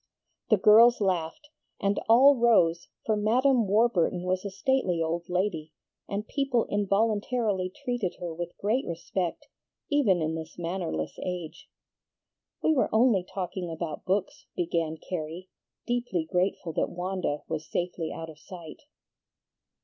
The girls laughed, and all rose, for Madam Warburton was a stately old lady, and people involuntarily treated her with great respect, even in this mannerless age. "We were only talking about books," began Carrie, deeply grateful that Wanda was safely out of sight.